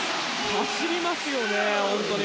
走りますね、本当に。